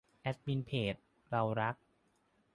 แอดมินเพจ เรารัก